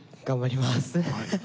頑張ります。